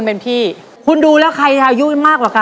แล้ววันนี้ผมมีสิ่งหนึ่งนะครับเป็นตัวแทนกำลังใจจากผมเล็กน้อยครับ